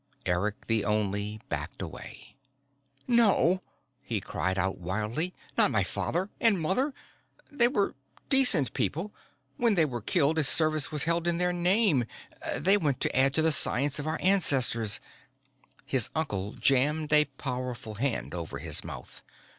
Eric the Only backed away. "No!" he called out wildly. "Not my father and mother! They were decent people when they were killed a service was held in their name they went to add to the science of our ancestors "His uncle jammed a powerful hand over his mouth.